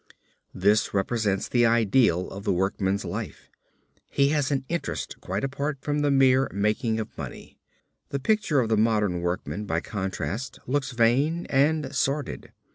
This represents the ideal of the workman's life. He has an interest quite apart from the mere making of money. The picture of the modern workman by contrast looks vain and sordid.